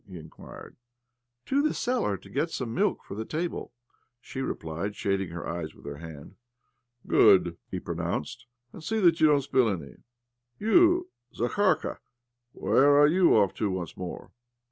he inquired. " To the cellar to get some milk for the table," she replied, shading her eyes with her hand. " Good !" he pronounced. " And see that you don't spill any. You, Zakharka— where are you off to once more?